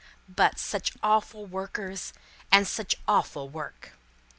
But, such awful workers, and such awful work!